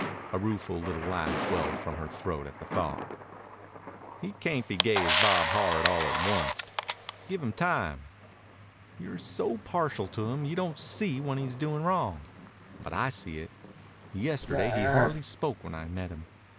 A rueful little laugh welled from her throat at the thought. "He cayn't be gay as Bob Hart all at onct. Give him time." "You're so partial to him you don't see when he's doing wrong. But I see it. Yesterday he hardly spoke when I met him.